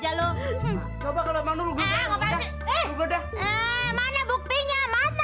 coba kalau emang lu buka ya